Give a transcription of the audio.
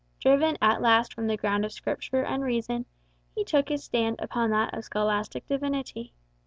Driven at last from the ground of Scripture and reason, he took his stand upon that of scholastic divinity.